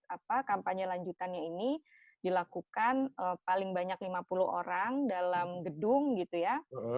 apa kampanye lanjutannya ini dilakukan paling banyak lima puluh orang dalam gedung gitu ya